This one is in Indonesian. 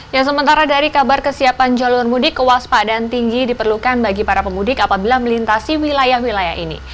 yang sementara dari kabar kesiapan jalur mudik kewaspadaan tinggi diperlukan bagi para pemudik apabila melintasi wilayah wilayah ini